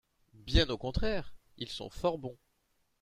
Bien au contraire, ils sont fort bons.